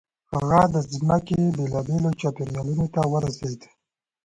هغه د ځمکې بېلابېلو چاپېریالونو ته ورسېد.